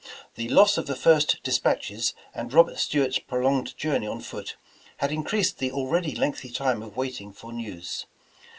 The loss of the first despatches and Robert Stuart's prolonged journey on foot, had increased the already lengthy time of waiting for news.